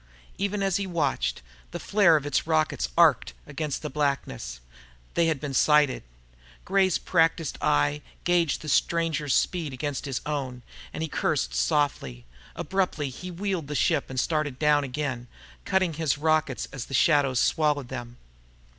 Even as he watched, the flare of its rockets arced against the blackness. They had been sighted. Gray's practised eye gauged the stranger's speed against his own, and he cursed softly. Abruptly he wheeled the ship and started down again, cutting his rockets as the shadow swallowed them.